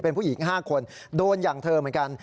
เป็นผู้หญิง๕คนโดนอย่างเธอเหมือนกัน